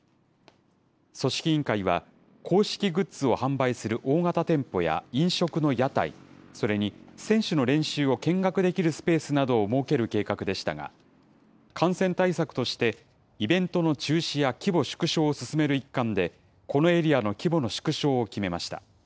組織委員会は、公式グッズを販売する大型店舗や飲食の屋台、それに選手の練習を見学できるスペースなどを設ける計画でしたが、感染対策として、イベントの中止や規模縮小を進める一環で、このエリアの規模の縮小を決めました。